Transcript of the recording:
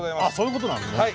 あそういうことなんですね。